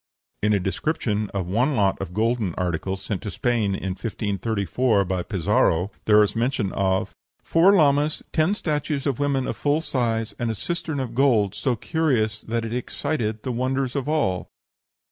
In a description of one lot of golden articles, sent to Spain in 1534 by Pizarro, there is mention of "four llamas, ten statues of women of full size, and a cistern of gold, so curious that it excited the wonder of all."